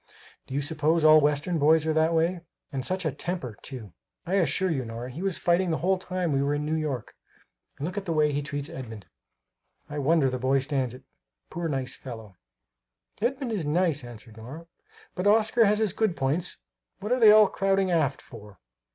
Do you suppose all Western boys are that way? And such a temper, too! I assure you, Nora, he was fighting the whole time we were in New York. And look at the way he treats Edmund I wonder the boy stands it poor nice fellow!" "Edmund is nice," answered Nora, "but Oscar has his good points what are they all crowding aft for?"